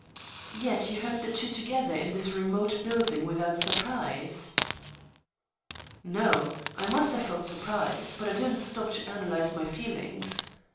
"Yet you heard the two together in this remote building without surprise?" "No, I must have felt surprise, but I didn't stop to analyse my feelings.